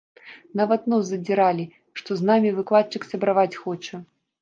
Нават нос задзіралі, што з намі выкладчык сябраваць хоча.